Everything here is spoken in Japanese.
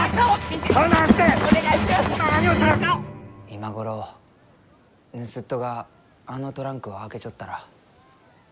今頃ぬすっとがあのトランクを開けちょったら。